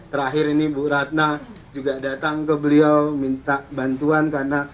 terakhir ini bu ratna juga datang ke beliau minta bantuan karena